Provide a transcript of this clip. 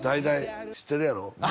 知ってるやろ？